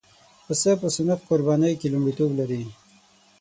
پسه په سنت قربانۍ کې لومړیتوب لري.